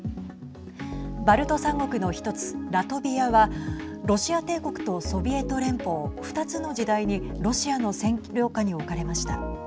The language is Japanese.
バルト３国の１つラトビアはロシア帝国とソビエト連邦２つの時代にロシアの占領下に置かれました。